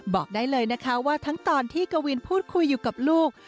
บอกได้เลยนะคะว่าทั้งตอนที่กวินพูดคุยอยู่กับลูก